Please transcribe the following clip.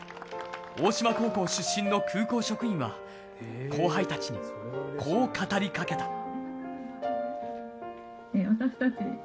大島高校出身の空港職員は後輩たちにこう語りかけた。